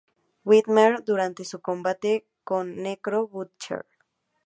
Whitmer durante su combate con Necro Butcher.